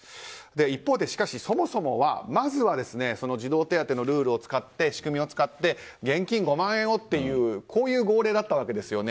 一方で、しかし、そもそもは児童手当のルール仕組みを使って現金５万円をという号令だったわけですよね。